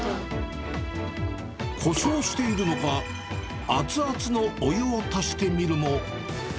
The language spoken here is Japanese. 誇称しているのか、熱々のお湯を足してみるも。